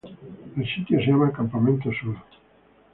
El sitio se llama Campamento Sur.